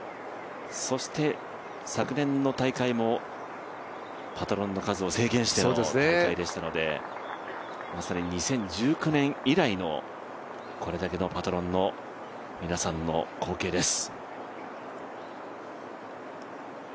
そして、昨年の大会もパトロンの数を制限しての大会でしたのでまさに２０１９年以来のこれだけのパトロンの皆さんの光景です。